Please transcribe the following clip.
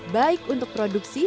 baik untuk produksi